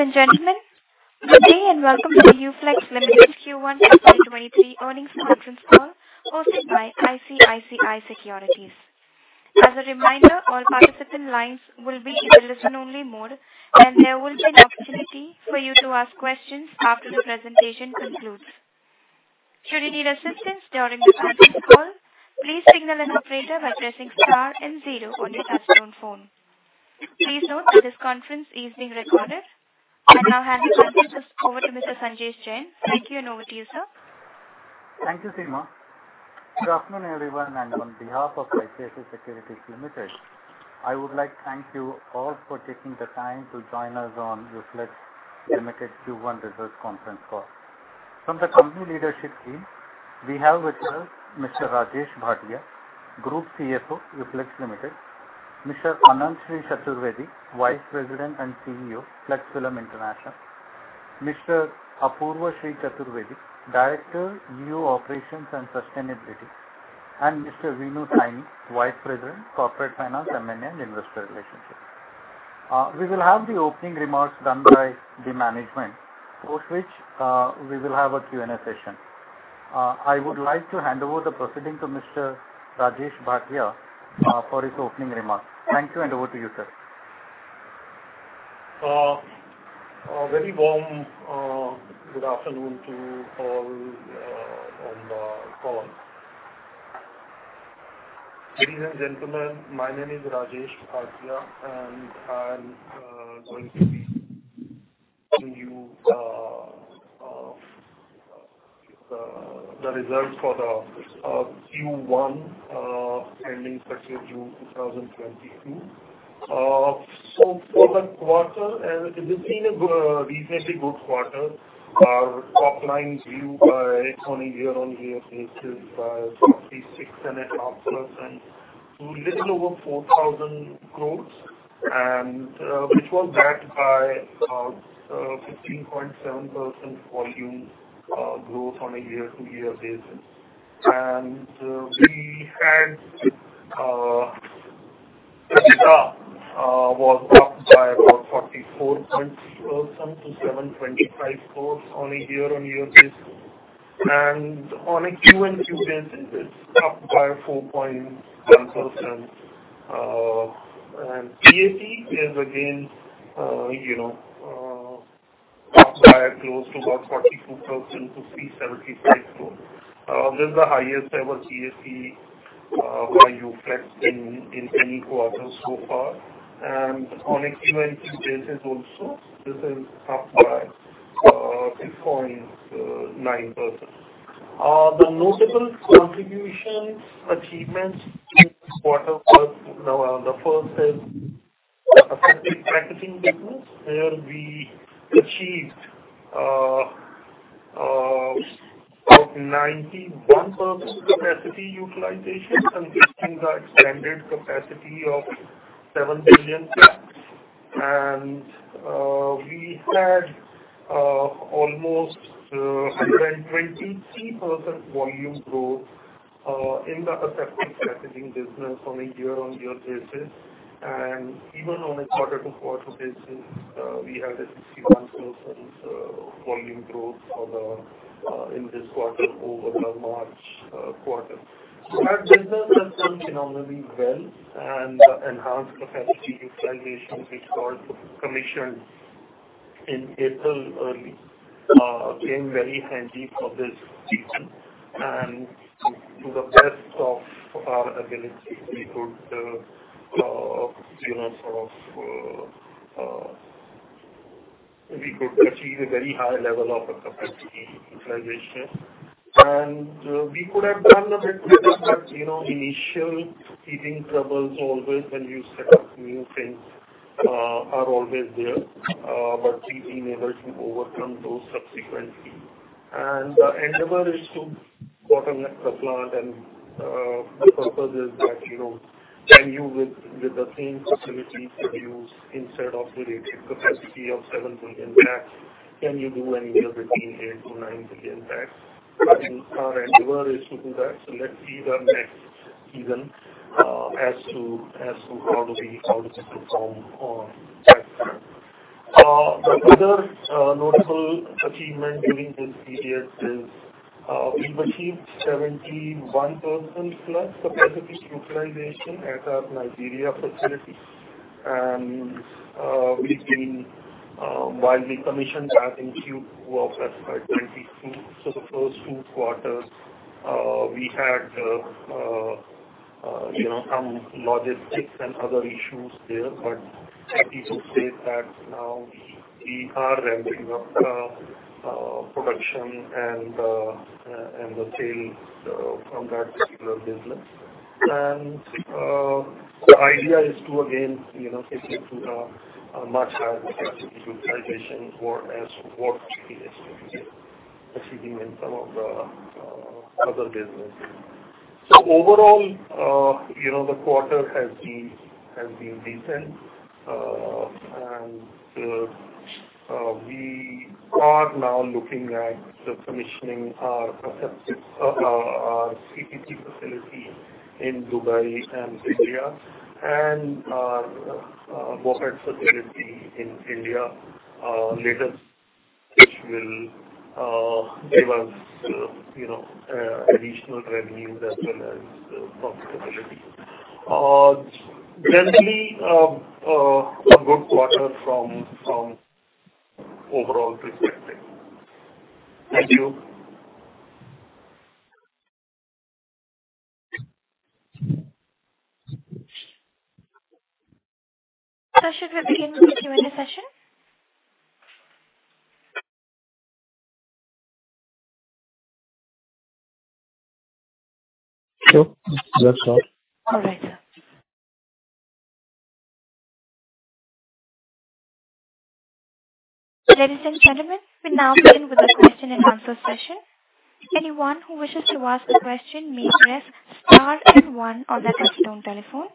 Ladies and gentlemen, good day and welcome to the Uflex Limited Q1 FY23 earnings conference call hosted by ICICI Securities. As a reminder, all participant lines will be in a listen-only mode, and there will be an opportunity for you to ask questions after the presentation concludes. Should you need assistance during this call, please signal an operator by pressing star and zero on your touchtone phone. Please note that this conference is being recorded. I now hand the conference over to Mr. Sanjay Jain. Thank you, and over to you, sir. Thank you, Seema. Good afternoon, everyone, and on behalf of ICICI Securities Limited, I would like to thank you all for taking the time to join us on Uflex Limited Q1 results conference call. From the company leadership team, we have with us Mr. Rajesh Bhatia, Group CFO, Uflex Limited, Mr. Anantshree Chaturvedi, Vice Chairman and CEO, Flex Films International, Mr. Apurvashree Chaturvedi, Director, EU Operations and Sustainability, and Mr. Vinu Saini, Vice President, Corporate Finance, M&A, and Investor Relationships. We will have the opening remarks done by the management, post which, we will have a Q&A session. I would like to hand over the proceedings to Mr. Rajesh Bhatia, for his opening remarks. Thank you, and over to you, sir. A very warm, good afternoon to you all on the call. Ladies and gentlemen, my name is Rajesh Bhatia, and I'm going to be giving you the results for the Q1 ending June 2022. For the quarter, it's been a good, reasonably good quarter. Our top line grew year-over-year by 46.5% to a little over 4,000 crores, which was backed by 15.7% volume growth on a year-over-year basis. EBITDA was up by about 44% to 725 crores on a year-over-year basis. On a QOQ basis, it's up by 4.1%. PAT is again, you know, up by close to about 42% to INR 375 crores. This is the highest ever PAT for Uflex in any quarter so far. On a QOQ basis also, this is up by 6.9%. The notable contributions, achievements in this quarter was the first is the aseptic packaging business, where we achieved about 91% capacity utilization and this is the expanded capacity of 7 billion packs. We had almost 123% volume growth in the aseptic packaging business on a year-on-year basis. Even on a quarter-to-quarter basis, we had a 16% volume growth in this quarter over the March quarter. That business has done phenomenally well, and the enhanced capacity utilization which got commissioned in early April came very handy for this season. To the best of our ability, we could, you know, sort of, achieve a very high level of capacity utilization. We could have done a bit better, but, you know, initial teething troubles always when you set up new things are always there. But we've been able to overcome those subsequently. The endeavor is to debottleneck the plant, and the purpose is that, you know, can you with the same facility produce instead of the rated capacity of 7 billion packs, can you do anywhere between 8-9 billion packs? Our endeavor is to do that. Let's see the next season as to how does it perform on that front. The other notable achievement during this period is we achieved 71%+ capacity utilization at our Nigeria facility. We've been while we commissioned that in Q4 2022. The first two quarters we had you know some logistics and other issues there. Happy to say that now we are ramping up production and the sales from that particular business. The idea is to again you know get it to a much higher capacity utilization for as what we expected achieving in some of the other businesses. Overall you know the quarter has been decent. We are now looking at the commissioning of our respective CPP facility in Dubai and Ceyhan and our BOPET facility in India later, which will give us, you know, additional revenues as well as profitability. Generally, a good quarter from overall perspective. Thank you. Sir, should we begin the Q&A session? No. That's all. All right, sir. Ladies and gentlemen, we now begin with the question-and-answer session. Anyone who wishes to ask a question may press star then one on their touchtone telephone.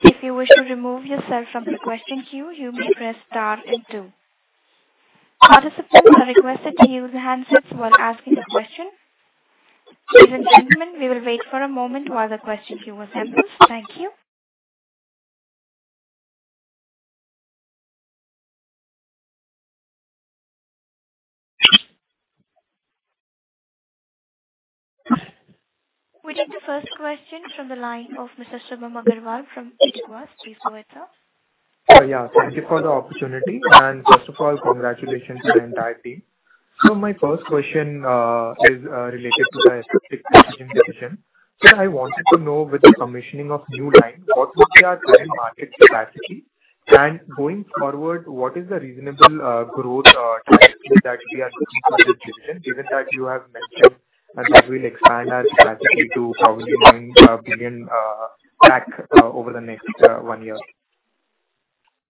If you wish to remove yourself from the question queue, you may press star and two. Participants are requested to use handsets while asking the question. Ladies and gentlemen, we will wait for a moment while the question queue assembles. Thank you. We take the first question from the line of Mr. Shubham Agarwal from Geojit. Please go ahead, sir. Yeah, thank you for the opportunity, and first of all, congratulations to the entire team. My first question is related to the CPP division. Sir, I wanted to know with the commissioning of new line, what would be our current market capacity? Going forward, what is the reasonable growth trajectory that we are looking for this division, given that you have mentioned that we'll expand our capacity to probably 9 billion packs over the next one year.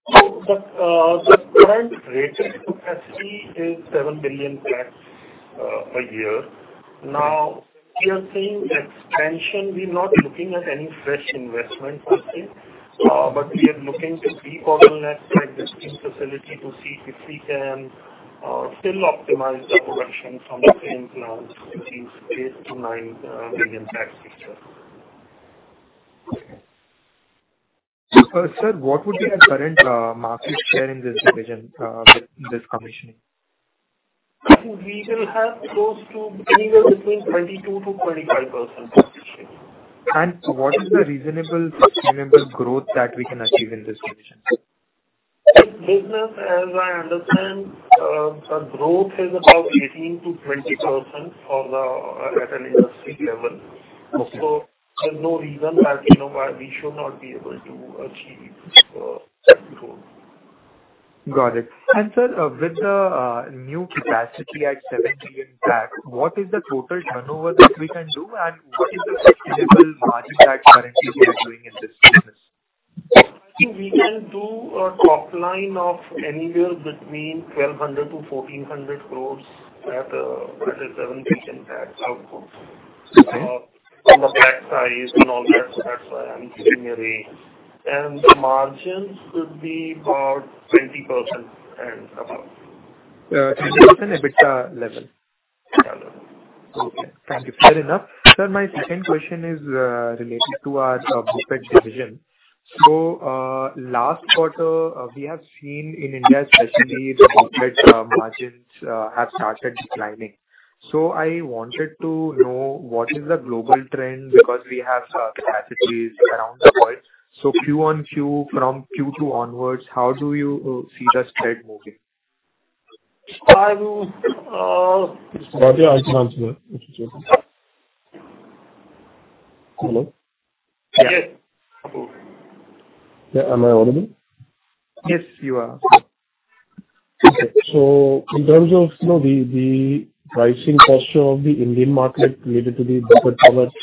The current rated capacity is 7 billion packs a year. Now, we are saying expansion, we're not looking at any fresh investment per se, but we are looking to debottleneck our existing facility to see if we can still optimize the production from the same plants which is 8-9 billion pack structure. Sir, what would be our current market share in this division with this commissioning? I think we shall have close to anywhere between 22%-25% market share. What is the reasonable sustainable growth that we can achieve in this division? This business, as I understand, the growth is about 18%-20% at an industry level. Okay. there's no reason that, you know, why we should not be able to achieve that growth. Got it. Sir, with the new capacity at 7 billion packs, what is the total turnover that we can do, and what is the sustainable margin that currently we are doing in this business? I think we can do a top line of anywhere between 1,200 crores-1,400 crores at a 7 billion packs output. Okay. From the pack size and all that's why I'm giving a range. The margins could be about 20% and above. Is it an EBITDA level? Yeah. Okay, thank you. Fair enough. Sir, my second question is related to our BOPET division. Last quarter, we have seen in India especially the BOPET margins have started declining. I wanted to know what is the global trend because we have capacities around the world. Q-o-Q from Q2 onwards, how do you see the spread moving? I will. Rajesh Bhatia, I can answer that if you check. Hello? Yes. Yeah. Am I audible? Yes, you are. Okay. In terms of, you know, the pricing posture of the Indian market related to the BOPET product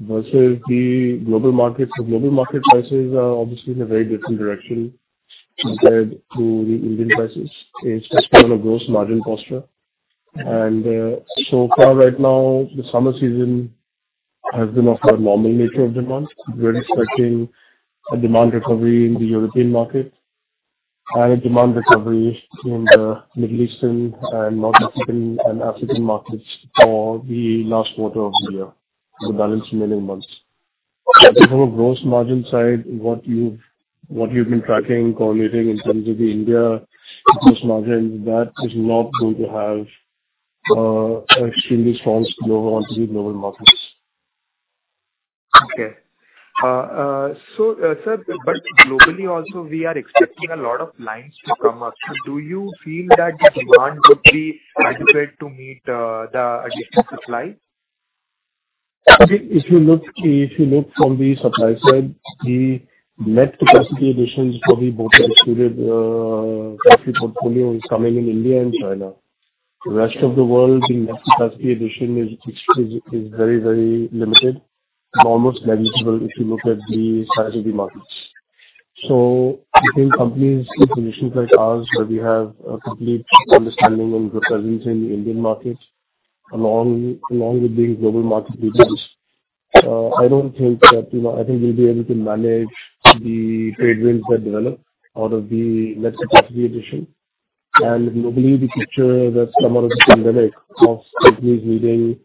versus the global market. Global market prices are obviously in a very different direction compared to the Indian prices, especially on a gross margin posture. So far right now, the summer season has been of a normal nature of demand. We are expecting a demand recovery in the European market and a demand recovery in the Middle Eastern and North African and African markets for the last quarter of the year, the balance remaining months. From a gross margin side, what you've been tracking, correlating in terms of the India gross margins, that is not going to have extremely strong spill onto the global markets. Okay. Sir, but globally also we are expecting a lot of lines to come up. Do you feel that the demand would be adequate to meet the additional supply? If you look from the supply side, the net capacity additions for the BOPET-excluded film portfolio is coming in India and China. The rest of the world, the net capacity addition is very limited and almost negligible if you look at the size of the markets. I think companies with positions like ours, where we have a complete understanding and good presence in the Indian market along with the global market leaders. I think we'll be able to manage the headwinds that develop out of the next capacity addition. Globally, the picture that some of us can relate to of companies needing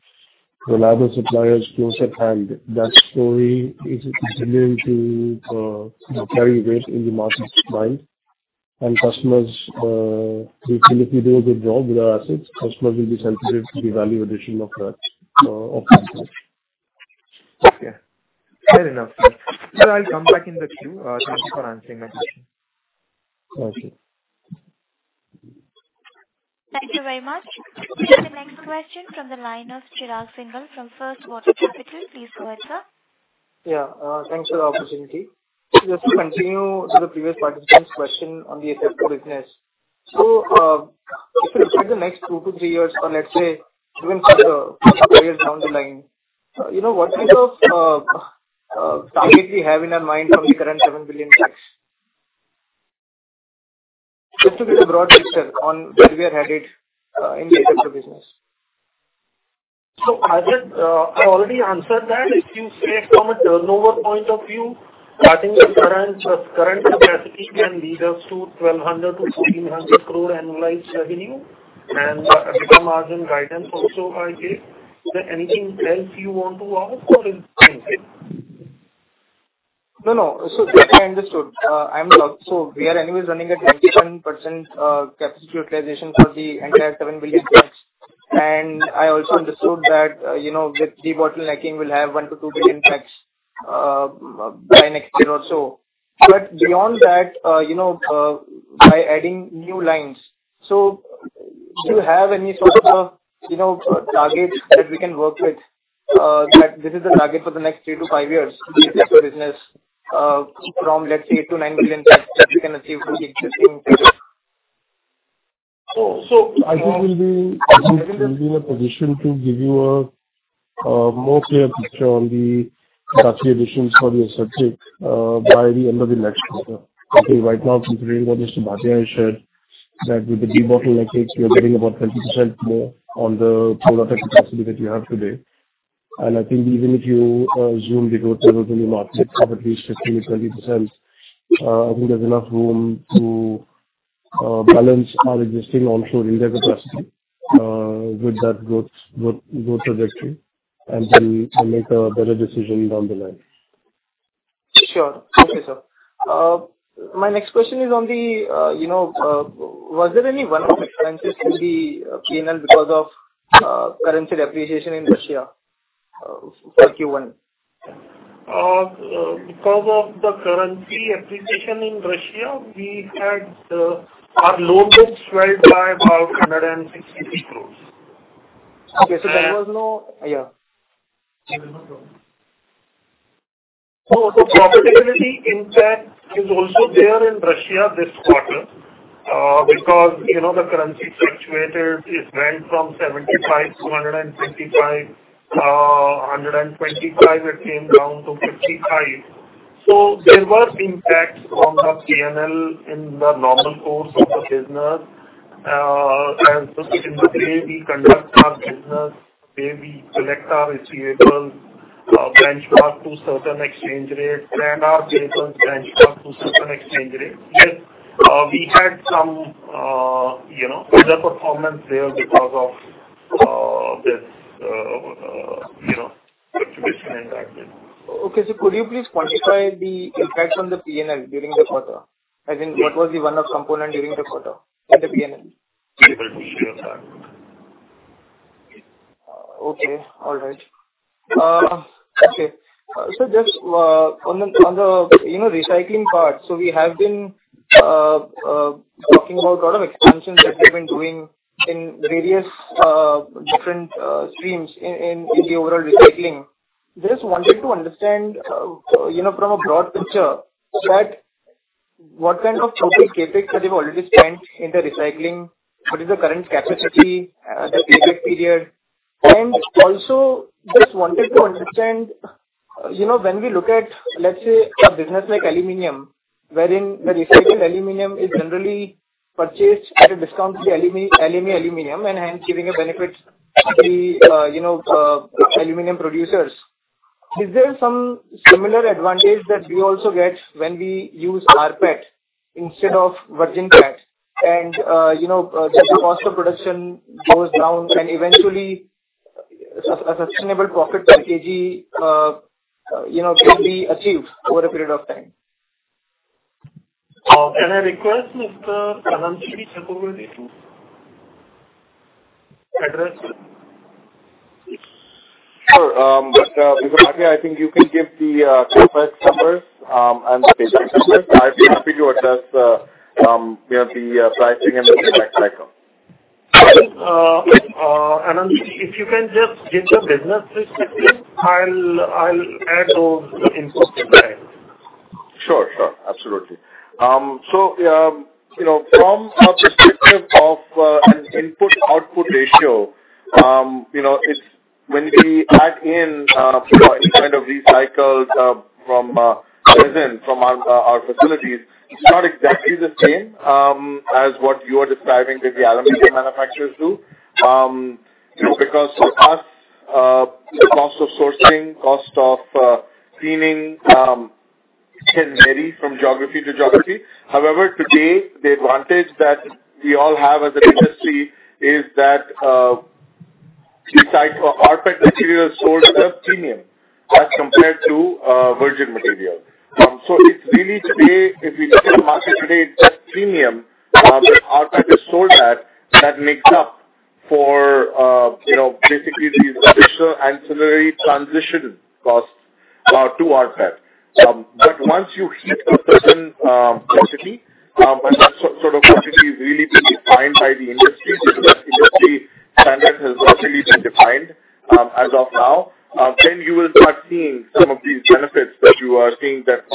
reliable suppliers close at hand, that story is continuing to carry weight in the market's mind. Customers, we feel if we do a good job with our assets, customers will be sensitive to the value addition of that. Okay. Fair enough. I'll come back in the queue. Thanks for answering my question. Okay. Thank you very much. We have the next question from the line of Chirag Singhal from First Water Capital. Please go ahead, sir. Yeah. Thanks for the opportunity. Just to continue the previous participant's question on the aseptic business. If you look at the next 2-3 years or let's say even further, 5 years down the line, you know, what kind of target we have in our mind from the current 7 billion packs? Just to get a broad picture on where we are headed in the aseptic business. I said, I already answered that. If you say from a turnover point of view, I think the current capacity can lead us to 1,200 crore-1,400 crore annualized revenue and EBITDA margin guidance also I gave. Is there anything else you want to ask or is that okay? No, no. I understood. We are anyways running at 27% capacity utilization for the entire 7 billion packs. I also understood that, you know, with debottlenecking will have 1-2 billion packs by next year or so. Beyond that, you know, by adding new lines. Do you have any sort of, you know, targets that we can work with? That this is the target for the next 3-5 years in the aseptic business, from, let's say 29 billion packs that we can achieve from the existing capacity. I think we'll be in a position to give you a more clear picture on the capacity additions for the aseptic core by the end of the next quarter. Okay. Right now, considering what Mr. Bhatia has shared, that with the debottlenecking we are getting about 20% more on the total capacity that we have today. I think even if you assume the growth that was in the market of at least 15%-20%, I think there's enough room to balance our existing onshore India capacity with that growth trajectory, and then make a better decision down the line. Sure. Okay, sir. My next question is on the, you know, was there any one-off expenses in the P&L because of currency depreciation in Russia, for Q1? Because of the currency depreciation in Russia, we had our loan book swelled by about 163 crore. Okay. Yeah. The profitability impact is also there in Russia this quarter, because, you know, the currency fluctuated. It went from 75 to 125. 125 it came down to 55. There was impact on the P&L in the normal course of the business. The way we conduct our business, where we collect our receivables, benchmark to certain exchange rates and our payables benchmark to certain exchange rates. We had some, you know, underperformance there because of this, you know, fluctuation impact. Okay. Could you please quantify the impact on the P&L during the quarter? I think what was the one-off component during the quarter in the P&L? We will be sure of that. Okay. All right. Okay. Just on the recycling part, we have been talking about lot of expansions that we've been doing in various different streams in the overall recycling. Just wanted to understand from a broad picture what kind of total CapEx that you've already spent in the recycling, what is the current capacity, the payback period. Also just wanted to understand when we look at, let's say, a business like aluminum, wherein the recycled aluminum is generally purchased at a discount to the aluminum and hence giving a benefit to the aluminum producers. Is there some similar advantage that we also get when we use rPET instead of virgin PET? you know, does the cost of production goes down and eventually a sustainable profit per kg, you know, can be achieved over a period of time? Can I request Mr. Ananth to take over this address? Sure. Mr. Bhatia, I think you can give the CapEx numbers and the payback numbers. I'd be happy to address, you know, the pricing and the payback cycle. Ananth, if you can just give the business perspective, I'll add those inputs in time. Sure. Absolutely. You know, from a perspective of an input-output ratio, you know, it's when we add in any kind of recycled resin from our facilities, it's not exactly the same as what you are describing that the aluminum manufacturers do. You know, because for us, the cost of sourcing, cost of cleaning can vary from geography to geography. However, today, the advantage that we all have as an industry is that RPET material is at a premium as compared to virgin material. It's really today, if we look at the market today, it's just the premium that RPET is sold at that makes up for you know, basically these additional ancillary transition costs to RPET. Once you hit a certain density, that sort of density is really being defined by the industry because that industry standard has not really been defined as of now. Then you will start seeing some of these benefits that you are seeing that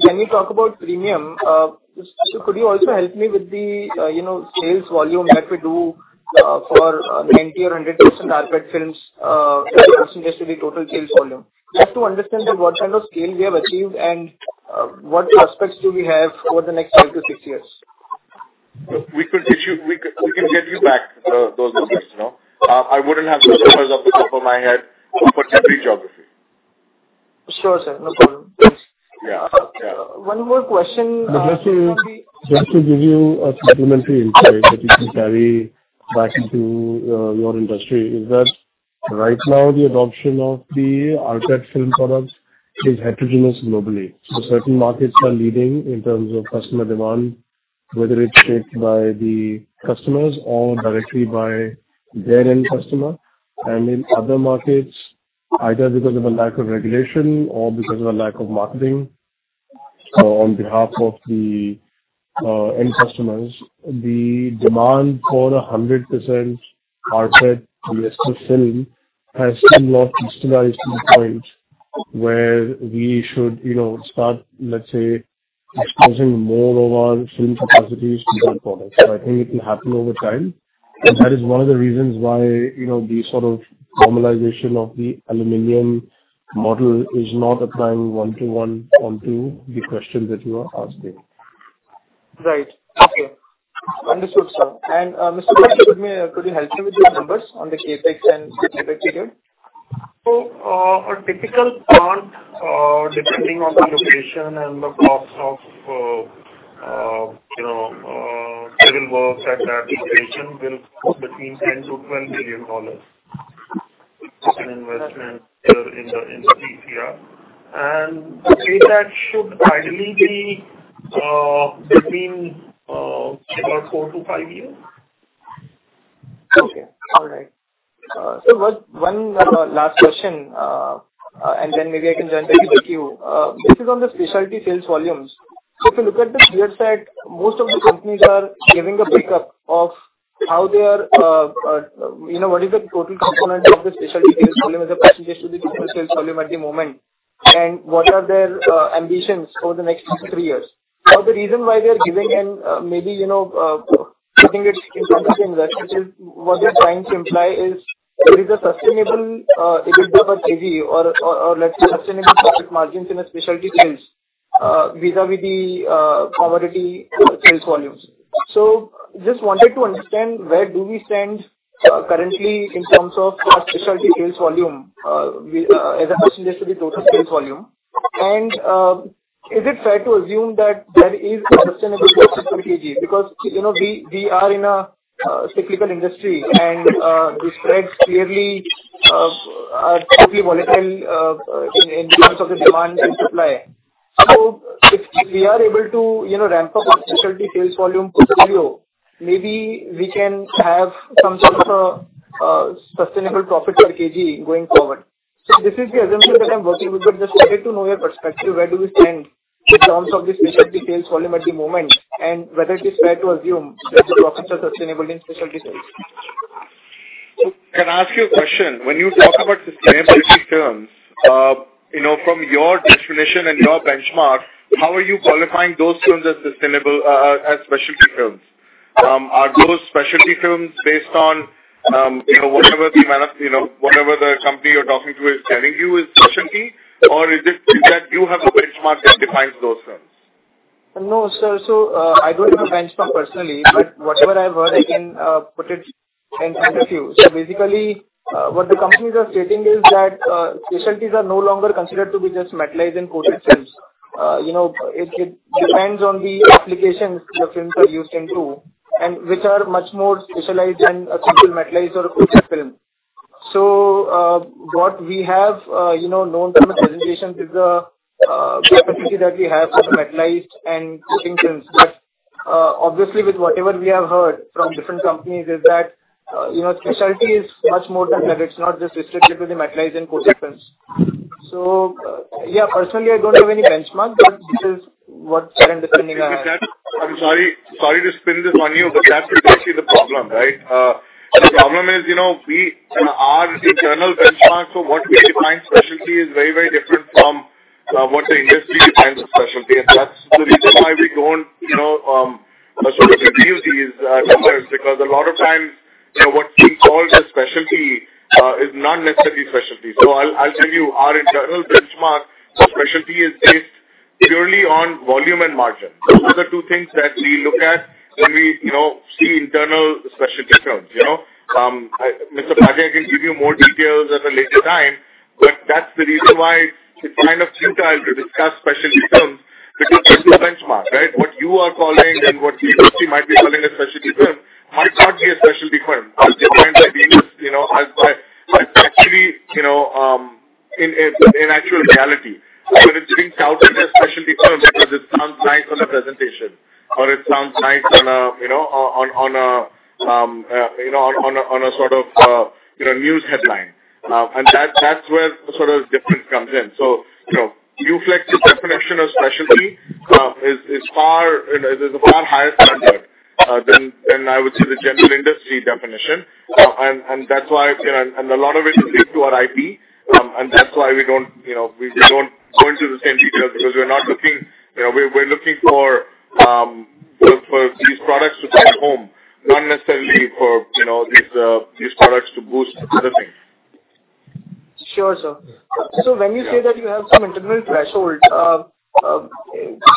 the aluminum makers, you know, sort of get at scale. Until that point, it's really the premium that you get in the RPET market, which also varies by geography. It is, you know, a consistent premium in any geography that you are selling in, that then allows a better risk-taking service material. Right. Okay. When we talk about premium, could you also help me with the, you know, sales volume that we do for 90% or 100% RPET films as a percentage to the total sales volume? Just to understand that what kind of scale we have achieved and what prospects do we have over the next three to six years. We can get you back those numbers, you know. I wouldn't have those numbers off the top of my head for every geography. Sure, sir. No problem. Yeah. Yeah. One more question? Just to give you a supplementary insight that you can carry back into your industry is that right now the adoption of the RPET film products is heterogeneous globally. Certain markets are leading in terms of customer demand, whether it's shaped by the customers or directly by their end customer. In other markets, either because of a lack of regulation or because of a lack of marketing on behalf of the end customers, the demand for 100% RPET polyester film has still not stabilized to the point where we should, you know, start, let's say, exposing more of our film capacities to that product. I think it will happen over time. That is one of the reasons why, you know, the sort of normalization of the aluminum model is not applying one to one onto the question that you are asking. Right. Okay. Understood, sir. Mr. Rajesh Bhatia, ma'am, could you help me with the numbers on the CapEx and the CapEx return? A typical plant, depending on the location and the cost of, you know, civil works at that location will cost between $10-$12 million. It's an investment in the current year. The CapEx should ideally be between about 4-5 years. Okay. All right. One last question, and then maybe I can join back to you. This is on the specialty sales volumes. If you look at the peer set, most of the companies are giving a break-up of how they are, you know, what is the total component of the specialty sales volume as a percentage to the total sales volume at the moment, and what are their ambitions over the next 2-3 years. Now, the reason why they are giving and, maybe, you know, I think it's interesting that which is what they're trying to imply is there is a sustainable EBIT per kg or let's say sustainable profit margins in the specialty sales vis-à-vis the commodity sales volumes. Just wanted to understand where we stand currently in terms of our specialty sales volume as a percentage to the total sales volume. Is it fair to assume that there is a sustainable EBIT per kg? Because, you know, we are in a cyclical industry, and the spreads clearly are totally volatile in terms of the demand and supply. If we are able to, you know, ramp up our specialty sales volume portfolio, maybe we can have some sort of sustainable profit per kg going forward. This is the assumption that I'm working with, but just wanted to know your perspective, where we stand in terms of the specialty sales volume at the moment, and whether it is fair to assume that the profits are sustainable in specialty sales. Can I ask you a question? When you talk about sustainable terms, you know, from your definition and your benchmark, how are you qualifying those terms as sustainable, as specialty terms? Are those specialty terms based on, you know, whatever the company you're talking to is telling you is specialty, or is it that you have a benchmark that defines those terms? No, sir. I don't have a benchmark personally, but whatever I've heard, I can put it in front of you. Basically, what the companies are stating is that specialties are no longer considered to be just metallized and coated films. You know, it depends on the applications your films are used in and which are much more specialized than a simple metallized or a coated film. What we have known term of presentation is the opportunity that we have with metallized and coated films. Obviously, whatever we have heard from different companies is that you know, specialty is much more than that. It's not just restricted to the metallized and coated films. Yeah, personally, I don't have any benchmark, but this is what I'm understanding. Mr. Shah, I'm sorry to spin this on you, but you know, our internal benchmark for what we define specialty is very, very different from what the industry defines as specialty. That's the reason why we don't, you know, sort of review these numbers because a lot of times, you know, what we call as specialty is not necessarily specialty. I'll tell you our internal benchmark for specialty is based purely on volume and margin. Those are the two things that we look at when we, you know, see internal specialty terms, you know. Mr. Ajay can give you more details at a later time, but that's the reason why it's kind of futile to discuss specialty terms because there's no benchmark, right? What you are calling and what the industry might be calling a specialty term might not be a specialty term as defined by us, you know, as by factory, you know, in actual reality. It is being touted as specialty term because it sounds nice on a presentation or it sounds nice on a, you know, on a sort of, you know, news headline. That's where sort of difference comes in. You know, Uflex's definition of specialty is a far higher standard than I would say the general industry definition. That's why, you know, a lot of it is due to our IP, and that's why we don't, you know, we don't go into the same detail because we're not looking. You know, we're looking for these products to find home, not necessarily for, you know, these products to boost other things. Sure, sir. When you say that you have some internal threshold, could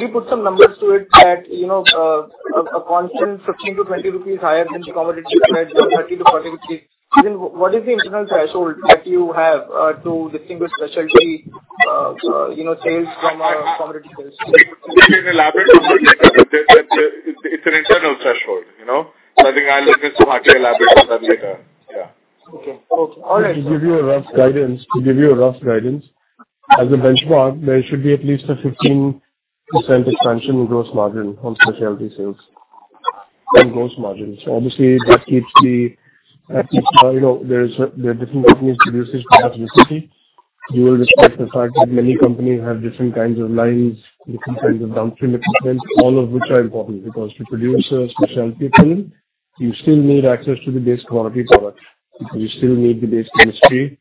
you put some numbers to it that, you know, a constant 15-20 rupees higher than the commodity spread of 30-40 rupees? What is the internal threshold that you have to distinguish specialty, you know, sales from commodity sales? We can elaborate this later. It's an internal threshold, you know. I think I'll let Mr. Ajay elaborate on that later. Yeah. Okay. All right. To give you a rough guidance, as a benchmark, there should be at least a 15% expansion in gross margin on specialty sales. In gross margins. Obviously, you know, there are different companies producing specialty. With due respect to the fact that many companies have different kinds of lines, different kinds of downstream equipment, all of which are important because to produce a specialty film, you still need access to the base commodity product, because you still need the base chemistry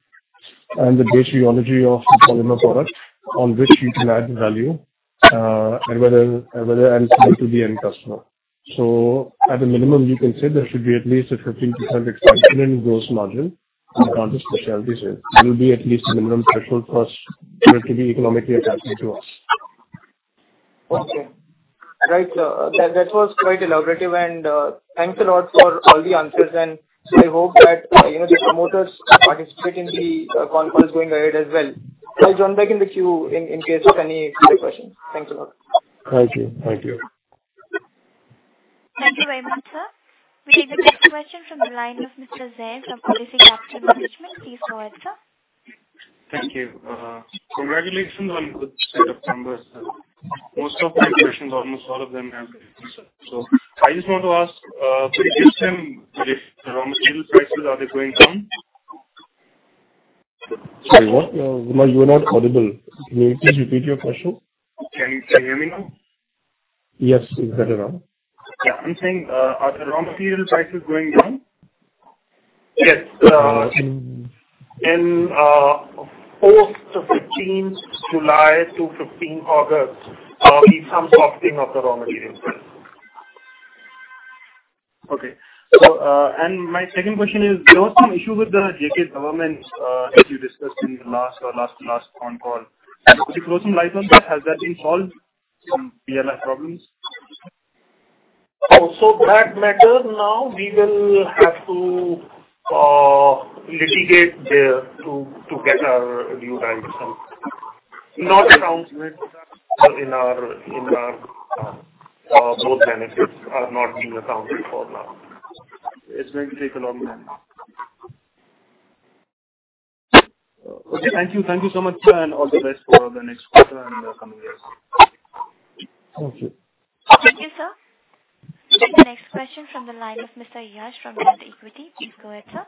and the base rheology of the polymer product on which you can add value, and add value to the end customer. At a minimum, you can say there should be at least a 15% expansion in gross margin on account of specialty sales. That will be at least the minimum threshold for us for it to be economically attractive to us. Okay. Right. That was quite elaborate, and thanks a lot for all the answers. I hope that, you know, the promoters participate in the conference going ahead as well. I'll join back in the queue in case of any further questions. Thanks a lot. Thank you. Thank you. Thank you very much, sir. We take the next question from the line of Mr. Zaid from Policy Capital Management. Please go ahead, sir. Thank you. Congratulations on good set of numbers, sir. Most of my questions, almost all of them have been answered. I just want to ask pre-issuance if raw material prices are they going down? Sorry, what? Zaid, you are not audible. Can you please repeat your question? Can you hear me now? Yes. It's better now. Yeah. I'm saying, are the raw material prices going down? Yes. In post fifteenth July to fifteenth August, we saw some costing of the raw materials. Okay. My second question is, there was some issue with the J&K government, as you discussed in the last or last to last conference call. Has it closed some license or has that been solved? Some PLI problems. That matter now we will have to litigate there to get our due diligence. No accounts with that in our those benefits are not being accounted for now. It's going to take a long time. Okay. Thank you. Thank you so much, sir, and all the best for the next quarter and the coming years. Thank you. Thank you, sir. The next question from the line of Mr. Yash from NatEquity. Please go ahead, sir.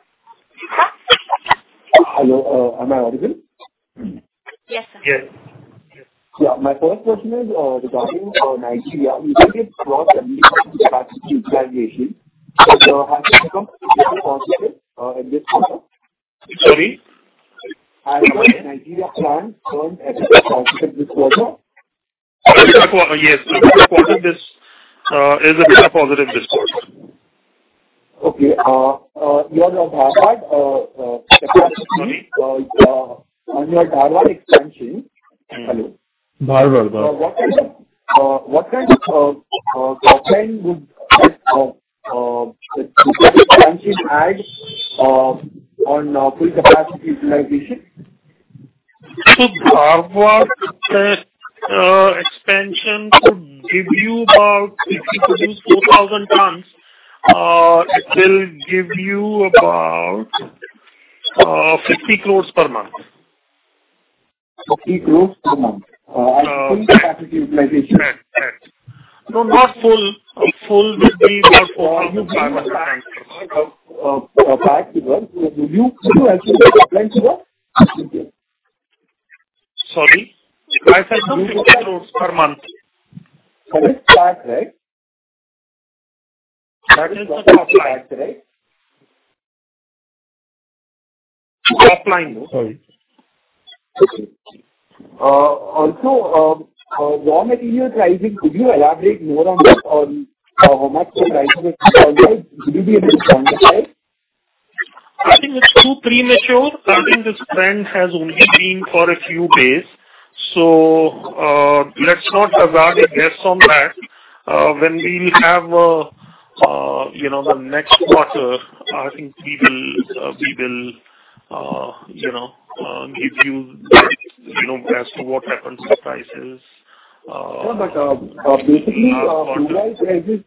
Hello. Am I audible? Yes, sir. Yes. Yes. Yeah. My first question is regarding Nigeria. Even if it was a meaningful capacity utilization, so has it become a bit positive in this quarter? Sorry. Has the Nigeria plant turned a bit positive this quarter? A bit of positive. Yes. A bit positive this quarter. Okay. Your Dharuhera capacity on your Dharuhera expansion. Hello. Dharuhera. What kind of upside would this capacity add on full capacity utilization? Dharuhera expansion could give you about INR 50 crores per month if you produce 4,000 tons. INR 50 crore per month at full capacity utilization. Yes, yes. No, not full. Full will be about 400 tonnes. Sorry to interrupt. Do you include actually the plant in that? Sorry. If I sell 50 tons per month. That is flat, right? That is also flat, right? Flat line. Sorry. Okay. Also, raw material pricing, could you elaborate more on this, how much the pricing has been revised? Would you be able to quantify? I think it's too premature. I think this trend has only been for a few days. Let's not hazard a guess on that. When we will have, you know, the next quarter, I think we will, you know, give you know, as to what happens to prices. No, obviously, you guys are just-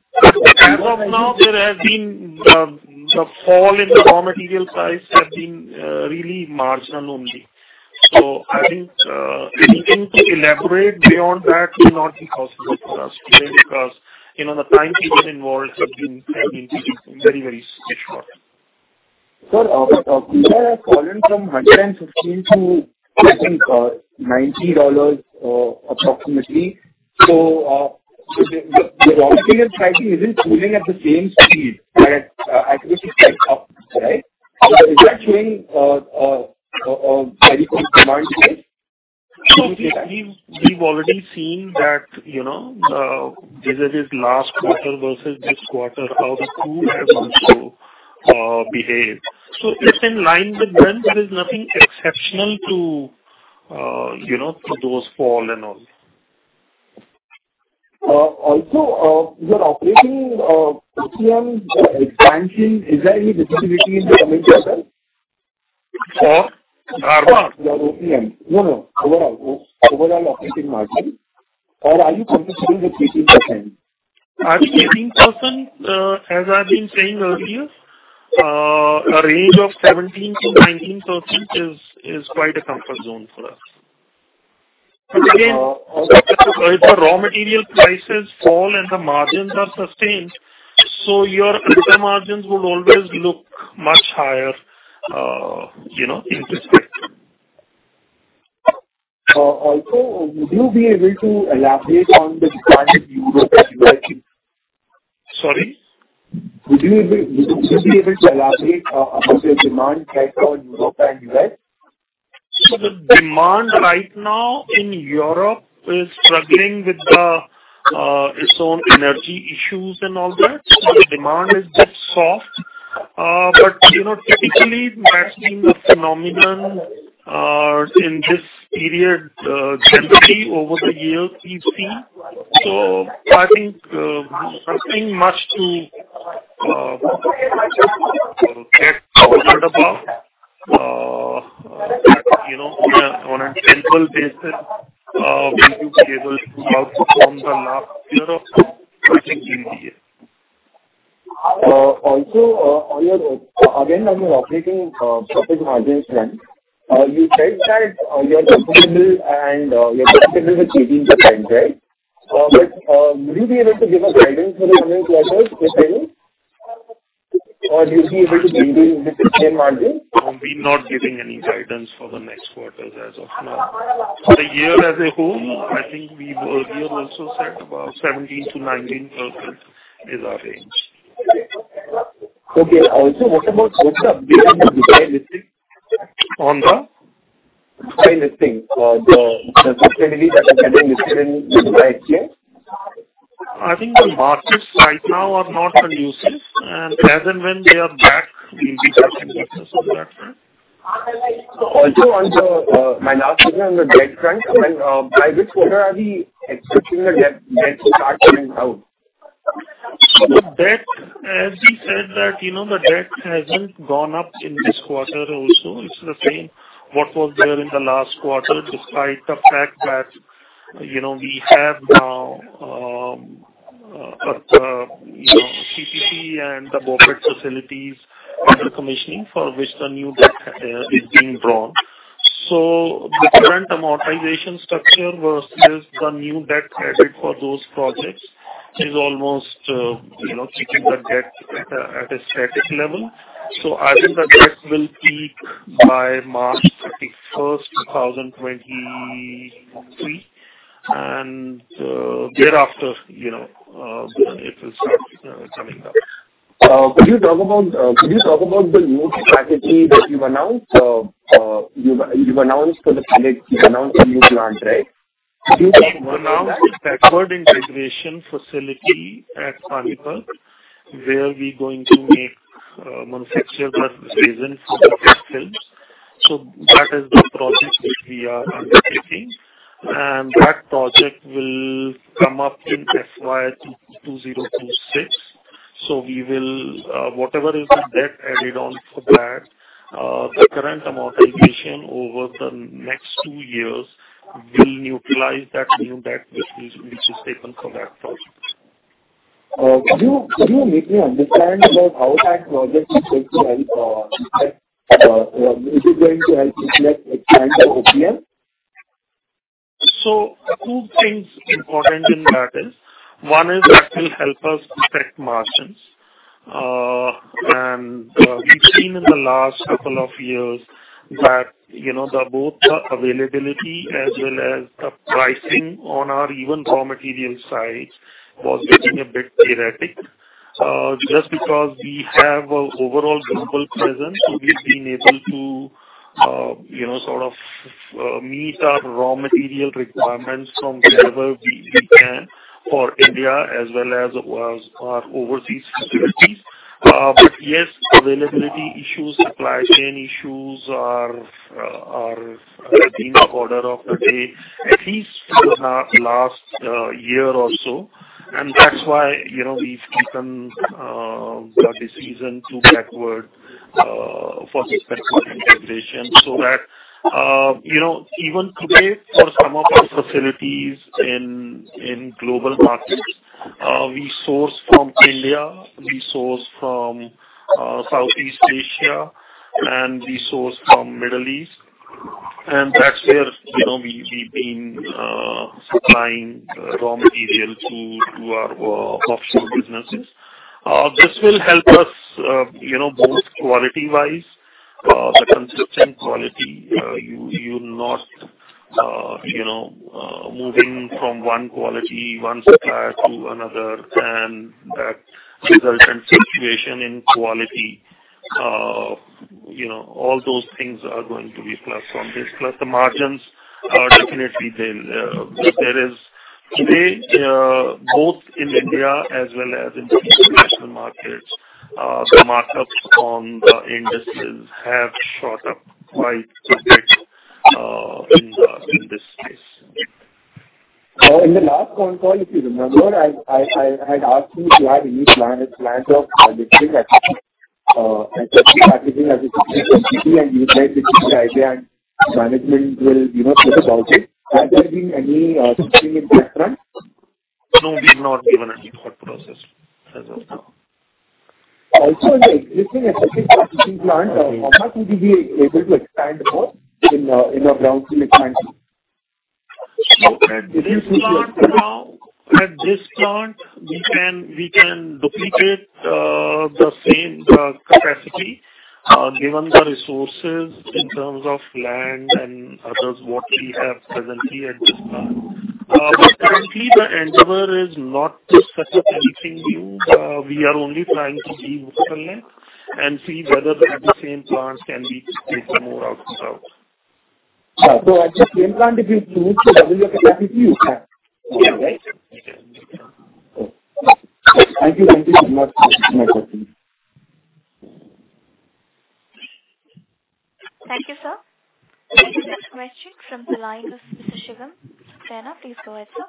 As of now, there has been the fall in the raw material price has been really marginal only. I think, anything to elaborate beyond that will not be possible for us today because, you know, the time periods involved have been very, very short. We have fallen from $115 to, I think, $90 approximately. The raw material pricing isn't cooling at the same speed that I think it went up, right? Is that showing very good demand side? No, we've already seen that, you know, this is last quarter versus this quarter, how the two have also behaved. It's in line with trend. There is nothing exceptional to, you know, to those fall and all. Also, your operating OPM expansion, is there any visibility into coming quarters? For? Our what? The OPM. No, no. Overall operating margin. Or are you comfortable with 18%? I think 18%, as I've been saying earlier, a range of 17%-19% is quite a comfort zone for us. Again, if the raw material prices fall and the margins are sustained, so your EBITDA margins would always look much higher, you know, in this picture. Also, would you be able to elaborate on the demand in Europe and U.S.? Sorry? Would you be able to elaborate on the demand trend for Europe and U.S.? The demand right now in Europe is struggling with its own energy issues and all that. The demand is bit soft. You know, typically that's been the phenomenon in this period generally over the years we've seen. I think nothing much to get bothered about. You know, on an annual basis, we will be able to outperform the last year of, I think, in the year. Also, on your operating profit margins trend, you said that you are comfortable with 18%, right? Would you be able to give us guidance for the coming quarters with any? Or will you be able to maintain with the same margin? No, we're not giving any guidance for the next quarters as of now. For the year as a whole, I think we've earlier also said about 17%-19% is our range. Okay. Also, what's the update on the Dubai listing? On the? Dubai listing. For the facility that you're planning to list it in the Dubai Exchange. I think the markets right now are not conducive. As and when they are back, we'll be touching base also on that front. Also, my last question on the debt front, when by which quarter are we expecting the debt to start coming down? The debt, as we said that, you know, the debt hasn't gone up in this quarter also. It's the same what was there in the last quarter, despite the fact that, you know, we have now you know, CPP and the BOPET facilities under commissioning for which the new debt is being drawn. The current amortization structure versus the new debt added for those projects is almost, you know, keeping the debt at a static level. I think the debt will peak by March 31, 2023. Thereafter, you know, it will start coming down. Could you talk about the new strategy that you've announced for the new plant, right? We've announced a backward integration facility at Panipat, where we're going to manufacture the resin for BOPET films. That is the project which we are undertaking. That project will come up in FY 2026. We will, whatever is the debt added on for that, the current amortization over the next two years will neutralize that new debt which is taken for that project. Could you make me understand about how that project is going to help ICICI? Is it going to help ICICI expand the OPM? Two things important in that is one is that will help us protect margins. We've seen in the last couple of years that, you know, both the availability as well as the pricing on our even raw material side was getting a bit erratic. Just because we have an overall global presence, we've been able to, you know, sort of, meet our raw material requirements from wherever we can for India as well as our overseas facilities. Availability issues, supply chain issues are the order of the day at least for the last year or so. That's why, you know, we've taken the decision to backward integration so that, you know, even today for some of our facilities in global markets, we source from India, we source from Southeast Asia, and we source from Middle East. That's where, you know, we've been supplying raw material to our offshore businesses. This will help us, you know, both quality-wise, the consistent quality. You're not, you know, moving from one quality, one supplier to another and that resultant fluctuation in quality. You know, all those things are going to be plus from this. Plus the margins are definitely there. There is, today, both in India as well as in international markets, the markups on the industries have shot up quite a bit, in this case. In the last con call, if you remember, I had asked you to have any plan, plans of especially packaging as a strategic entity, and you said it is the idea and management will, you know, think about it. Has there been any, something in that front? No, we've not given any thought process as of now. Also in the existing packaging plant, how much would you be able to expand more in your brownfield expansion? At this plant now, we can duplicate the same capacity given the resources in terms of land and others what we have presently at this plant. Currently the endeavor is not to set up anything new. We are only trying to be efficient and see whether the existing plants can be taken more out. At this same plant, if you choose to double your capacity, you can. Yeah. Right. Thank you. Thank you so much for answering my question. Thank you, sir. Next is Mahesh from the line of Mr. Shivam. Sana, please go ahead, sir.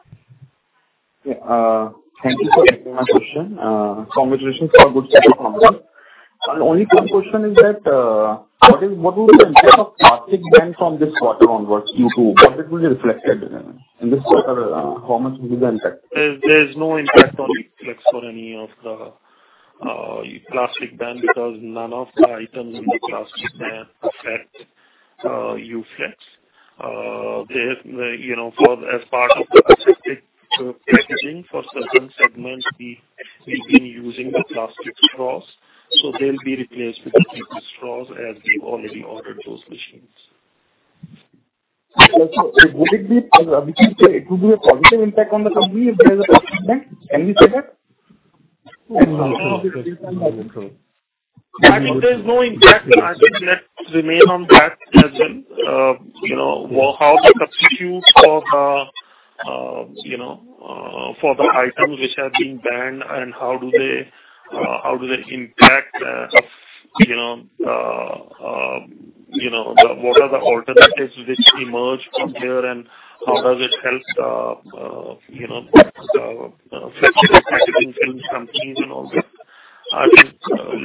Yeah. Thank you for taking my question. Congratulations for good set of numbers. Only one question is that, what will be the impact of plastic ban from this quarter onwards Q2? What it will reflect at the end? In this quarter, how much will be the impact? There's no impact on Uflex for any of the plastic ban because none of the items in the plastic ban affect Uflex. They, you know, for as part of the aseptic packaging for certain segments, we've been using the plastic straws, so they'll be replaced with the paper straws as we've already ordered those machines. Would it be, which you say it will be a positive impact on the company if there's a plastic ban? Can we say that? I think there's no impact. I think let's remain on that as in, you know, how the substitutes for the, you know, for the items which are being banned and how do they impact, you know, you know, the, what are the alternatives which emerge from there and how does it help the, you know, the, flexible packaging films companies and all that. I think,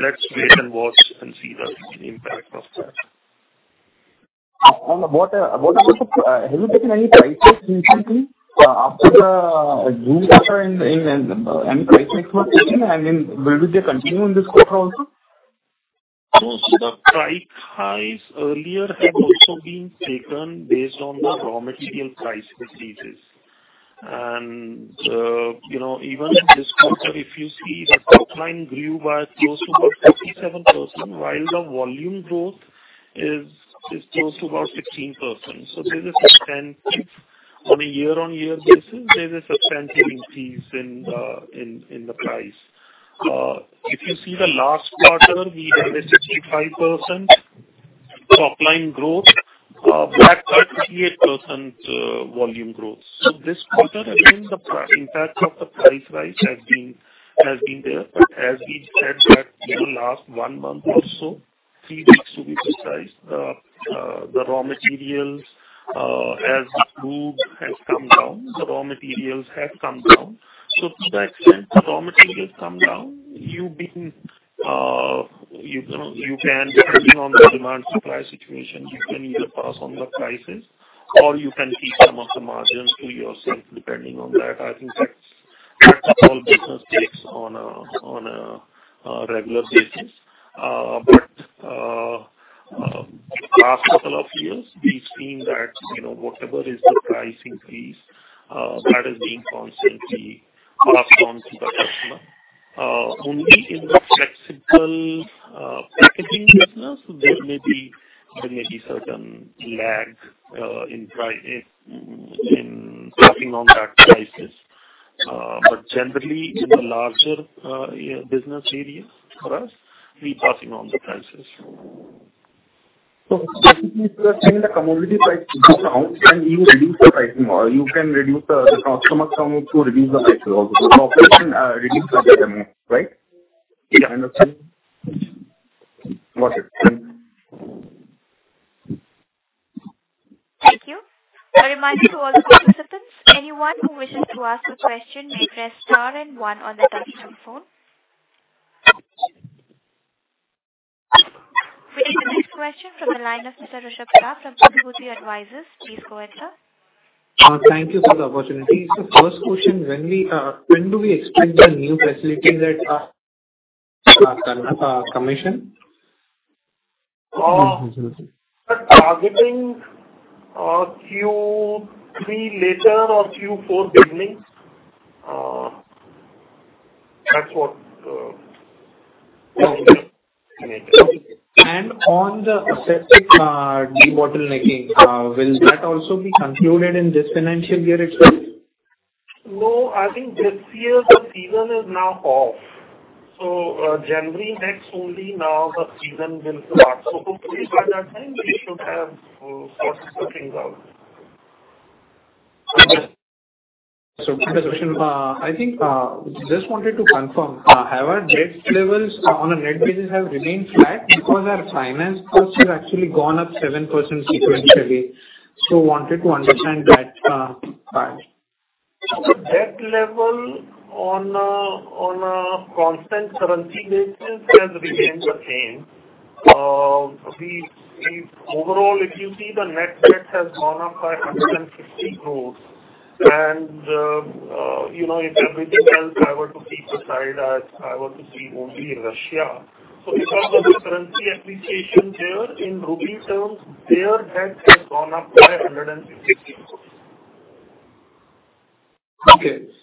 let's wait and watch and see the impact of that. Have you taken any price hikes recently after the raw material, and any price hikes were taken, and then will they continue in this quarter also? The price highs earlier had also been taken based on the raw material price increases. Even in this quarter, if you see the top line grew by close to about 57%, while the volume growth is close to about 16%. There's a substantial increase in the price on a year-on-year basis. If you see the last quarter we had a 65% top line growth, but 38% volume growth. This quarter again, the impact of the price rise has been there. As we said that in the last one month or so, three weeks to be precise, the raw materials have also come down. To that extent the raw materials come down. You've been, you can depending on the demand supply situation, you can either pass on the prices or you can keep some of the margins to yourself depending on that. I think that's how business takes on a regular basis. Last couple of years we've seen that, whatever is the price increase, that is being constantly passed on to the customer. Only in the flexible packaging business there may be certain lag in passing on that prices. But generally in the larger business areas for us, we're passing on the prices. Basically you are saying the commodity price goes down and you reduce the pricing or the customer can also reduce the prices also. The operator can reduce the prices more. Right? Yeah. Understood. Got it. Thanks. Thank you. A reminder to all the participants, anyone who wishes to ask a question may press star and one on their touchtone phone. We take the next question from the line of Mr. Rishabh Raj from Kotak Mahindra Advisors. Please go ahead, sir. Thank you for the opportunity. First question, when do we expect the new facility to commission? We're targeting Q3 later or Q4 beginning. That's what we are targeting. Okay. On the aseptic debottlenecking, will that also be concluded in this financial year itself? No, I think this year the season is now off. January next only now the season will start. Hopefully by that time we should have sorted the things out. Okay. Keep the question. I think just wanted to confirm, have our debt levels on a net basis remained flat because our finance cost has actually gone up 7% sequentially? Wanted to understand that part. Debt level on a constant currency basis has remained the same. We've overall, if you see the net debt has gone up by 150 crores. You know, if everything else I were to keep aside, I were to see only Russia. Because of the currency appreciation there in rupee terms, their debt has gone up by 150 crores.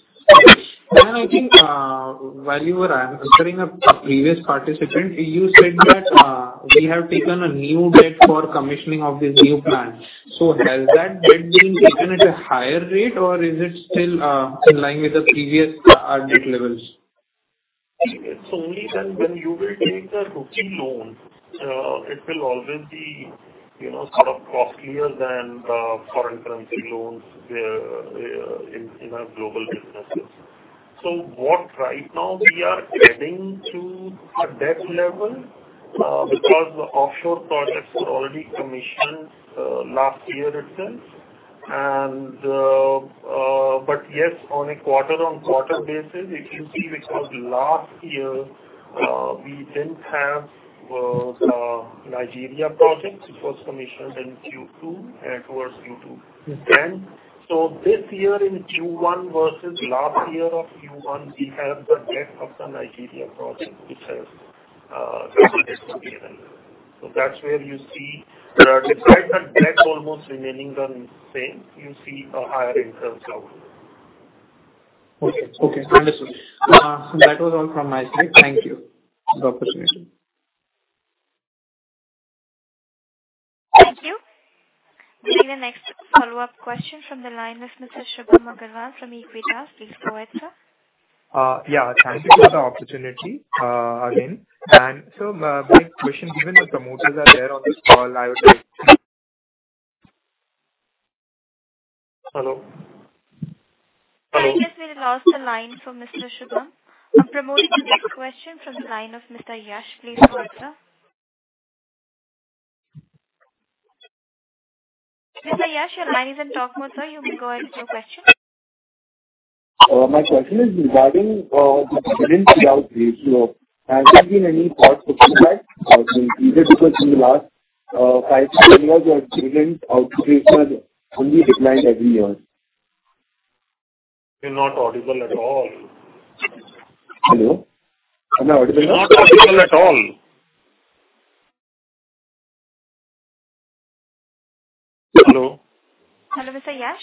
I think while you were answering a previous participant, you said that we have taken a new debt for commissioning of this new plant. Has that debt been taken at a higher rate or is it still in line with the previous debt levels? It's only when you will take the rupee loan, it will always be, you know, sort of costlier than foreign currency loans in our global businesses. What right now we are adding to our debt level because the offshore projects were already commissioned last year itself. But yes, on a quarter-on-quarter basis, if you see because last year we didn't have Nigeria projects, it was commissioned in Q2 towards Q2 2010. This year in Q1 versus last year of Q1, we have the debt of the Nigeria project which has resulted in. That's where you see the debt almost remaining the same. You see a higher interest outgo. Okay. Understood. That was all from my side. Thank you for the opportunity. Thank you. We take the next follow-up question from the line of Mr. Subham Agarwal from Aequitas. Please go ahead, sir. Yeah. Thank you for the opportunity, again. My question, given the promoters are there on this call, I would like. Hello? Hello? I think we lost the line from Mr. Subham. I'll promote the next question from the line of Mr. Yash. Please go ahead, sir. Mr. Yash, your line is on talk mode, sir. You can go ahead with your question. My question is regarding the dividend payout ratio. Has there been any thought put to that? I think either because in the last 5-10 years your dividend payout ratio has only declined every year. You're not audible at all. Hello? Am I audible now? You're not audible at all. Hello? Hello, Mr. Yash.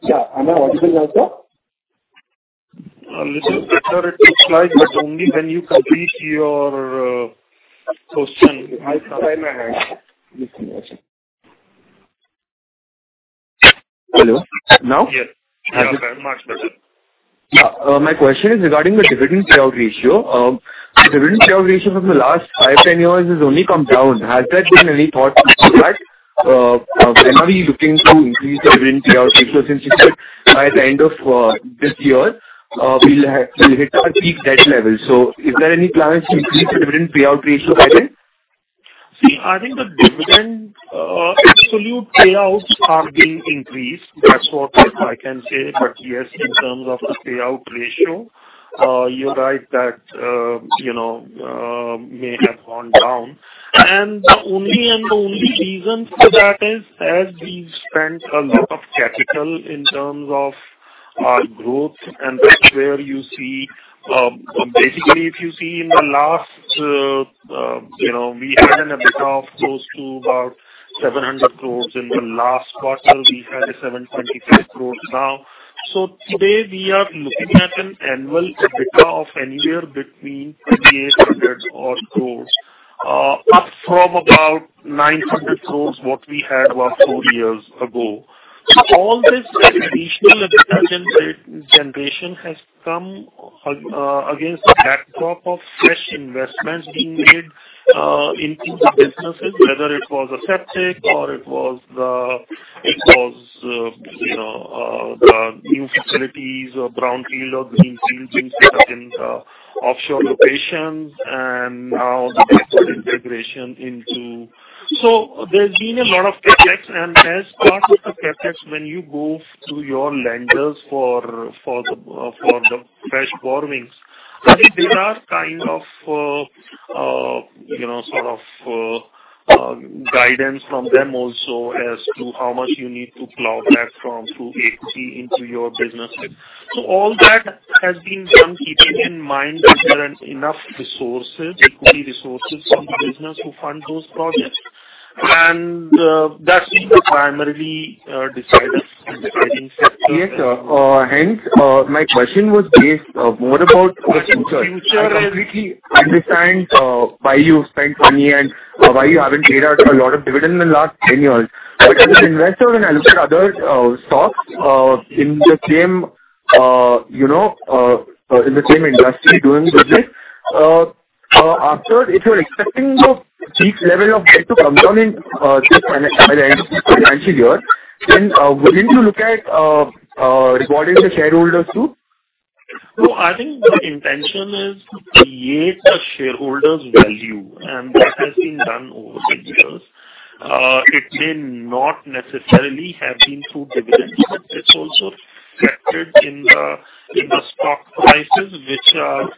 Yeah. Am I audible now, sir? A little better. It looks like, but only when you complete your question. I try my best. Listen, Yash. Hello. Now? Yes. Much better. Yeah. My question is regarding the dividend payout ratio. The dividend payout ratio from the last 5, 10 years has only come down. Has there been any thought put to that? When are we looking to increase the dividend payout ratio since you said by the end of this year, we'll hit our peak debt level. Is there any plans to increase the dividend payout ratio by then? I think the dividend absolute payouts are being increased. That's what I can say. Yes, in terms of the payout ratio, you're right that you know may have gone down. The only reason for that is as we've spent a lot of capital in terms of our growth and that's where you see basically if you see in the last you know we had an EBITDA of close to about 700 crore. In the last quarter, we had 7.5 crore now. Today we are looking at an annual EBITDA of anywhere between INR 800-odd crore up from about INR 900 crore what we had about 4 years ago. All this additional EBITDA generation has come against the backdrop of fresh investments being made into the businesses, whether it was Aseptic or the new facilities or brownfield or greenfield being set up in the offshore locations and now the digital integration into. There's been a lot of CapEx. As part of the CapEx, when you go to your lenders for the fresh borrowings, I think there are kind of you know sort of guidance from them also as to how much you need to plow back from cash to CapEx into your businesses. All that has been done keeping in mind, is there enough equity resources in the business to fund those projects. That's been the primary decider in the spending cycle. Yes, sir. Hence, my question was based more about the future. Future. I completely understand why you spent money and why you haven't paid out a lot of dividend in the last 10 years. As an investor when I look at other stocks in the same, you know, industry doing business, if you're expecting your peak level of debt to come down in this financial year, then wouldn't you look at rewarding the shareholders too? I think the intention is to create a shareholder's value, and that has been done over the years. It may not necessarily have been through dividends, but it's also reflected in the stock prices which are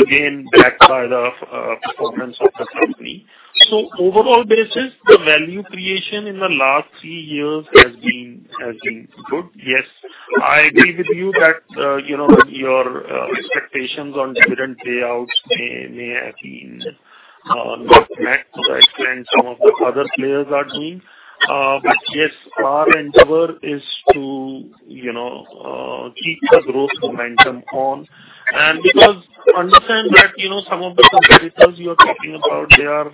again backed by the performance of the company. Overall basis, the value creation in the last three years has been good. Yes, I agree with you that, you know, your expectations on dividend payouts may have been not met to the extent some of the other players are doing. But yes, our endeavor is to, you know, keep the growth momentum on. Because you understand that, you know, some of the competitors you are talking about, they are,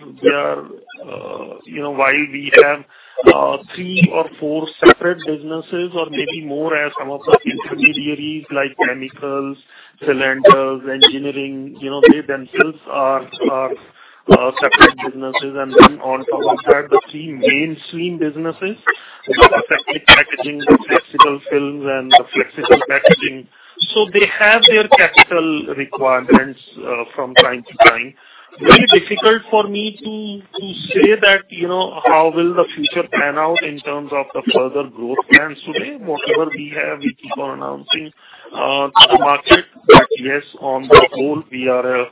you know, while we have three or four separate businesses or maybe more, such as some of the intermediaries like chemicals, cylinders, engineering, you know, they themselves are separate businesses. Then on top of that, the three mainstream businesses, which is aseptic packaging, the flexible films and the flexible packaging. They have their capital requirements from time to time. Very difficult for me to say that, you know, how will the future pan out in terms of the further growth plans today. Whatever we have, we keep on announcing to the market. Yes, on the whole, we are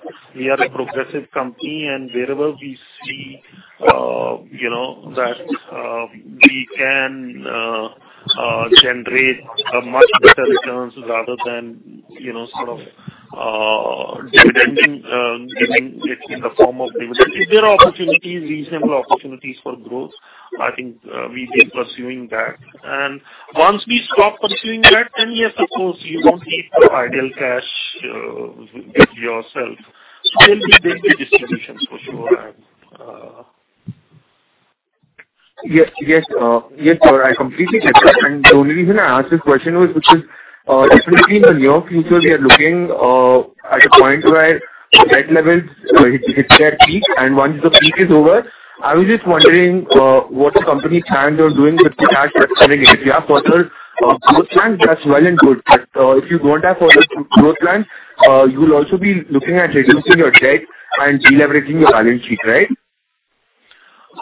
a progressive company and wherever we see, you know, that we can generate a much better returns rather than, you know, sort of, dividending, giving it in the form of dividend. If there are opportunities, reasonable opportunities for growth, I think, we'll be pursuing that. Once we stop pursuing that, then yes, of course, you won't keep the idle cash with yourself. So there'll be distributions for sure and, Yes, yes. Yes, sir, I completely get that. The only reason I asked this question was because, definitely in the near future we are looking at a point where debt levels hits their peak, and once the peak is over, I was just wondering what the company plans on doing with the cash that's coming in. If you have further growth plans, that's well and good. If you don't have further growth plans, you'll also be looking at reducing your debt and deleveraging your balance sheet, right?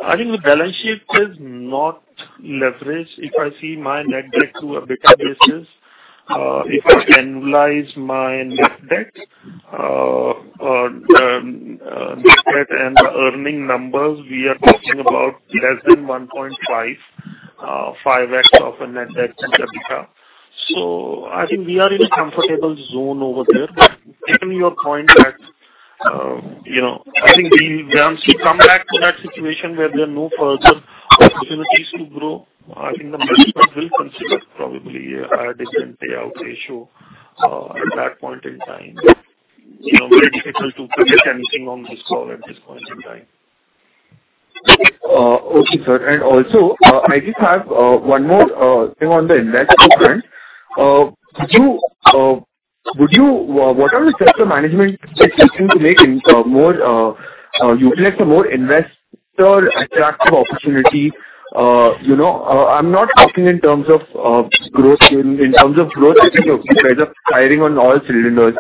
I think the balance sheet is not leveraged. If I see my net debt to EBITDA basis, if I annualize my net debt, net debt and the earnings numbers, we are talking about less than 1.5x of a net debt to EBITDA. I think we are in a comfortable zone over there. Given your point that, you know, I think once we come back to that situation where there are no further opportunities to grow, I think the management will consider probably a different payout ratio, at that point in time. You know, very difficult to predict anything on this call at this point in time. Okay, sir. Also, I just have one more thing on the investor front. What are the steps the management is looking to make in more utilize a more investor attractive opportunity? You know, I'm not talking in terms of growth. I think you guys are firing on all cylinders.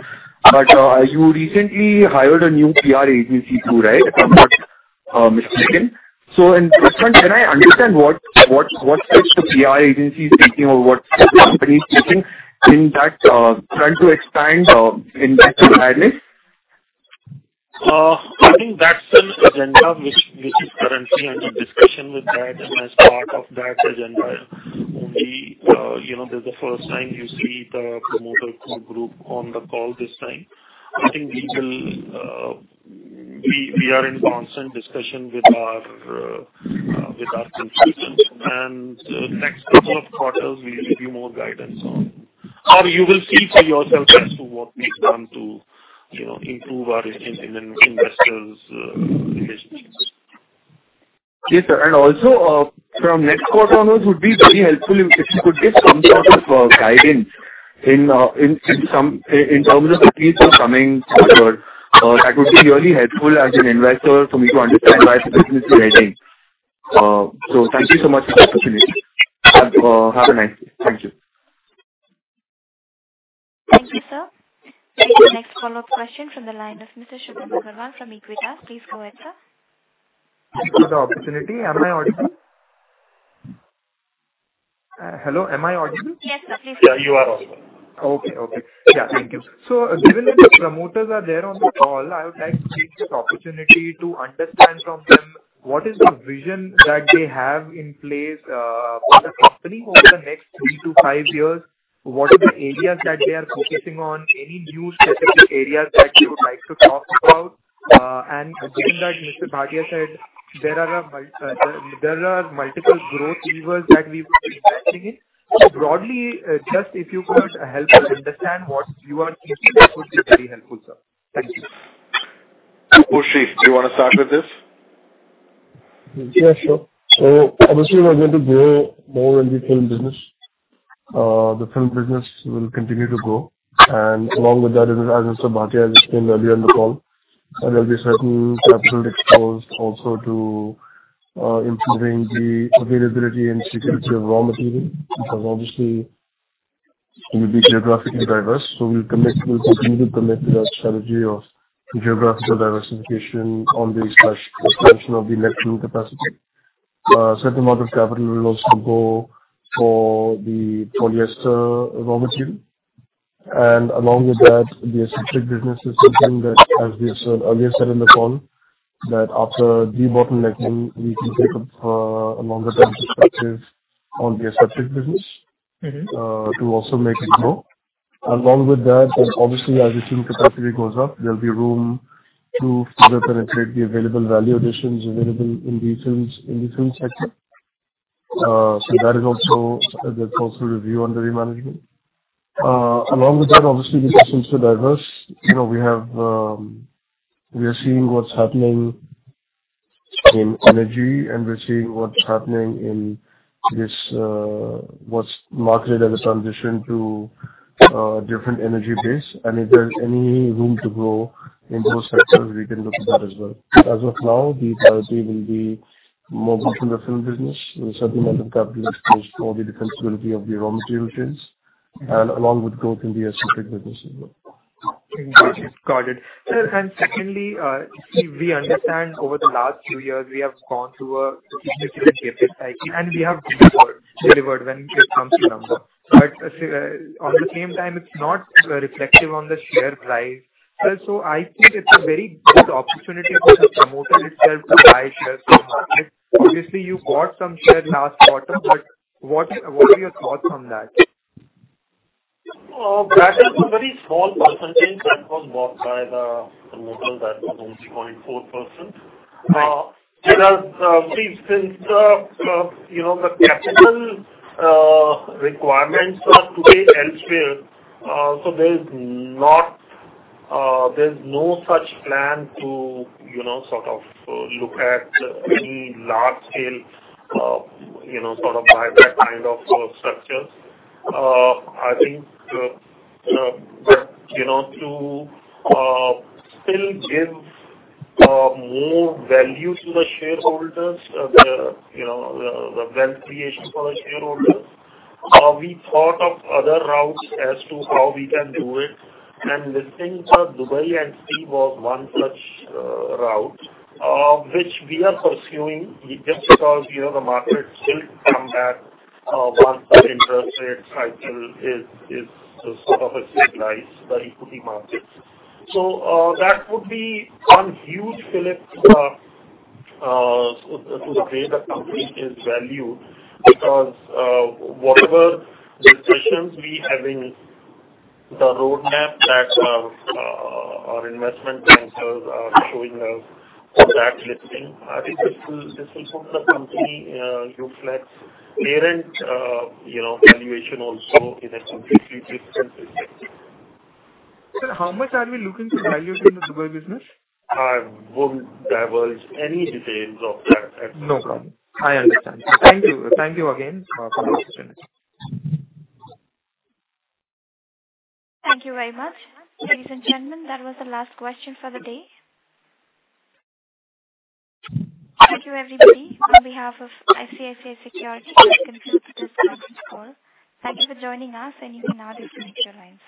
But you recently hired a new PR agency too, right? If I'm not mistaken. In that front, can I understand what steps the PR agency is taking or what steps the company is taking in trying to expand investor highlights? I think that's an agenda which is currently under discussion with that. As part of that agenda only, you know, this is the first time you see the promoter group on the call this time. We are in constant discussion with our consultants and next couple of quarters we'll give you more guidance on. Or you will see for yourself as to what we've done to, you know, improve our investors' relationships. Yes, sir. Also, from next quarter onwards, it would be very helpful if you could give some sort of guidance in terms of the fees in the coming future. That would be really helpful as an investor for me to understand where the business is heading. Thank you so much for the opportunity. Have a nice day. Thank you. Thank you, sir. We have the next follow-up question from the line of Mr. Subham Agarwal from Aequitas. Please go ahead, sir. Thank you for the opportunity. Am I audible? Hello, am I audible? Yes, sir. Please go ahead. Yeah, you are audible. Thank you. Given that the promoters are there on the call, I would like to take this opportunity to understand from them what is the vision that they have in place for the company over the next 3-5 years? What are the areas that they are focusing on? Any new specific areas that they would like to talk about? Given that Mr. Bhatia said there are multiple growth levers that we will be investing in. Broadly, just if you could help us understand what you are thinking, that would be very helpful, sir. Thank you. Mushrif, do you wanna start with this? Yeah, sure. Obviously we're going to grow more in the film business. The film business will continue to grow. Along with that, as Mr. Bhatia has explained earlier in the call, there'll be certain CapEx also to improving the availability and security of raw material, because obviously we'll be geographically diverse. We'll continue to commit to that strategy of geographical diversification on the expansion of the BOPET capacity. Certain amount of capital will also go for the polyester raw material. Along with that, the aseptic business is something that, as we said earlier in the call, after debottlenecking, we can take a longer-term perspective on the aseptic business. Mm-hmm. To also make it grow. Along with that, obviously as the team capacity goes up, there'll be room to further penetrate the available value additions available in the films, in the film sector. That is also, that's also under review by management. Along with that, obviously this is also diverse. You know, we have. We are seeing what's happening in energy and we're seeing what's happening in this, what's marketed as a transition to a different energy base. If there's any room to grow in those sectors, we can look at that as well. As of now, the priority will be more growth in the film business. A certain amount of CapEx for the defensibility of the raw material chains and along with growth in the aseptic business as well. Indeed. Got it. Sir, secondly, we understand over the last few years we have gone through a significant shift in cycle, and we have delivered when it comes to numbers. At the same time, it's not reflected in the share price. Sir, I think it's a very good opportunity for the promoter itself to buy shares from the market. Obviously you bought some shares last quarter, but what are your thoughts on that? That is a very small percentage that was bought by the promoter. That was only 0.4%. Right. Since, you know, the capital requirements are today elsewhere, so there's no such plan to, you know, sort of, look at any large scale, you know, sort of buyback kind of structures. I think, but, you know, to still give more value to the shareholders, the wealth creation for the shareholders, we thought of other routes as to how we can do it. Listing for Dubai and DIFX was one such route, which we are pursuing just because, you know, the markets will come back, once the interest rates cycle is sort of a stabilized by equity markets. That would be one huge fillip to the way the company is valued because whatever discussions we have in the roadmap that our investment bankers are showing us for that listing, this will help the company reflect parent, you know, valuation also in a completely different perspective. Sir, how much are we looking to value from the Dubai business? I won't divulge any details of that at this moment. No problem. I understand. Thank you. Thank you again, for the opportunity. Thank you very much. Ladies and gentlemen, that was the last question for the day. Thank you, everybody. On behalf of ICICI Securities, I conclude this conference call. Thank you for joining us, and you may now disconnect your lines.